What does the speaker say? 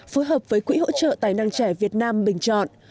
phối hợp với quỹ hỗ trợ tài năng trẻ việt nam bình chọn